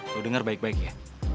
lo dengar baik baik ya